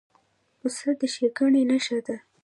پسه د ښېګڼې نښه ده.